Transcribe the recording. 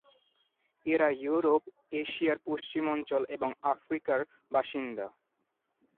এরা ইউরোপ, এশিয়ার পশ্চিম অঞ্চল এবং আফ্রিকার বাসিন্দা।